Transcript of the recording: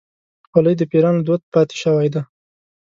خولۍ د پيرانو دود پاتې شوی.